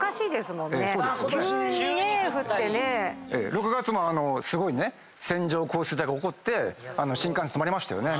６月もすごいね線状降水帯が起こって新幹線止まりましたよね。